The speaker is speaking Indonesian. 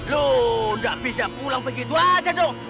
loh nggak bisa pulang begitu aja dong